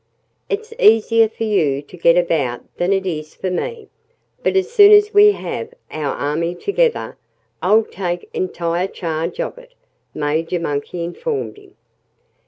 "It's easier for you to get about than it is for me. But as soon as we have our army together I'll take entire charge of it," Major Monkey informed him.